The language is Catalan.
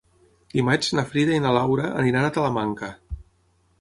Dimarts na Frida i na Laura aniran a Talamanca.